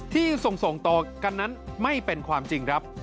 ที่ส่งต่อกันนั้นไม่เป็นความจริงครับ